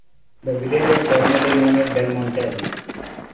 The village was formerly known as "Belmontel".